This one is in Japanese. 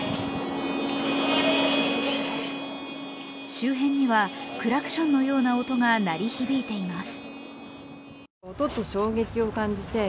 周辺にはクラクションのような音が鳴り響いています。